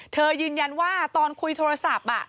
ยืนยันว่าตอนคุยโทรศัพท์